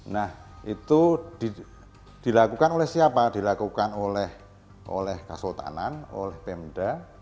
nah itu dilakukan oleh siapa dilakukan oleh kesultanan oleh pemda